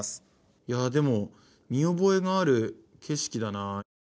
いやでも、見覚えのある景色だな。